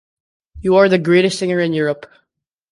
You are the greatest singer in Europe.